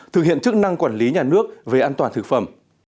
thực hiện chức năng quản lý nhà nước về an toàn thực phẩm